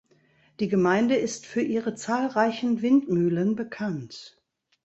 Die Gemeinde ist für ihre zahlreichen Windmühlen bekannt.